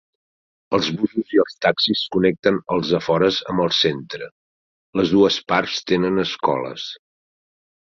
Els busos i els taxis connecten els afores amb el centre. Les dues parts tenen escoles.